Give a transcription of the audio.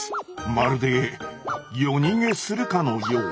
まるで夜逃げするかのよう。